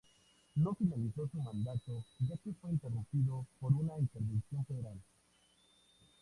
No finalizó su mandato ya que fue interrumpido por una intervención federal.